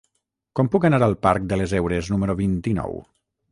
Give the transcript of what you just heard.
Com puc anar al parc de les Heures número vint-i-nou?